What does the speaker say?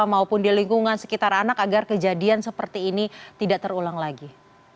maupun di lingkungan sekitar anak agar kejadian seperti ini tidak terulang lagi